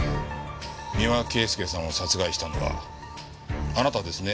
三輪圭祐さんを殺害したのはあなたですね？